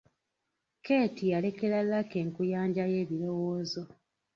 Keeti yalekera Lucky enkuyanja y’ebirowoozo.